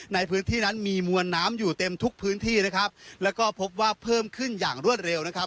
ในพื้นที่นั้นมีมวลน้ำอยู่เต็มทุกพื้นที่นะครับแล้วก็พบว่าเพิ่มขึ้นอย่างรวดเร็วนะครับ